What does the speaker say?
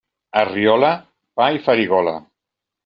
A Riola, pa i farigola.